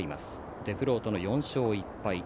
デフロートの４勝１敗。